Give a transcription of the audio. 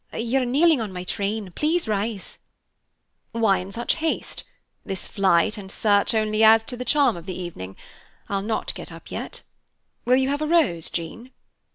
You are kneeling on my train. Please rise." "Why in such haste? This flight and search only adds to the charm of the evening. I'll not get up yet. Will you have a rose, Jean?"